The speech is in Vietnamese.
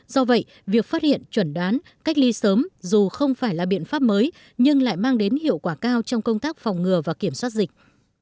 do vậy việc phát hiện chuẩn đoán cách ly sớm dù không phải là biện pháp mới nhưng lại mang đến hiệu quả cao trong công tác phòng ngừa và kiểm soát dịch